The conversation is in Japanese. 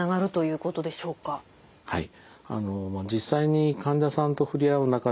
はい。